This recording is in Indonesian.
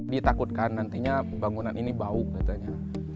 ditakutkan nantinya bangunan ini bau katanya